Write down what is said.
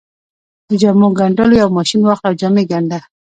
د جامو ګنډلو يو ماشين واخله او جامې ګنډه.